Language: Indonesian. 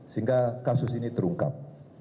sehingga kasus ini terungkap